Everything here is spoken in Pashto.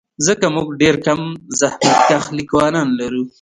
ځکه موږ ډېر کم زحمتکښ لیکوالان لرو.